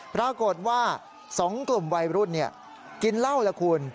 ปรากฏว่า๒กลุ่มวัยรุ่นกินเหล้าล่ะคุณ